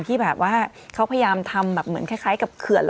ที่แบบว่าเขาพยายามทำแบบเหมือนคล้ายกับเขื่อน